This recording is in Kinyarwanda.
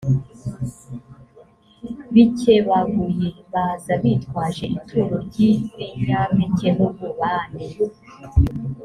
bikebaguye baza bitwaje ituro ry ibinyampeke n ububani